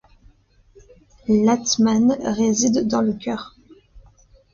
L'ātman réside dans le cœur.